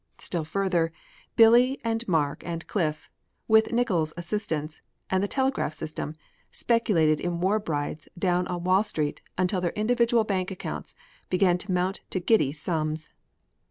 Still further, Billy and Mark and Cliff, with Nickols' assistance, and the telegraph system, speculated in War Brides down on Wall Street until their individual bank accounts began to mount to giddy sums.